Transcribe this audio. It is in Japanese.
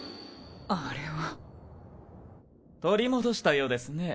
取り戻したようですね。